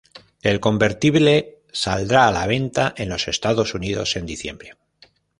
El convertible saldrá a la venta en los Estados unidos en diciembre.